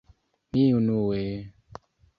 Mi unue...